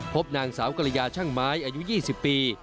พบนางสาวกรยาช่างไม้อายุ๒๐ปี